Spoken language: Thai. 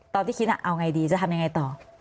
ตอนที่คิดเอาไงดีจะทำยังไงต่อ